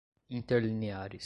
interlineares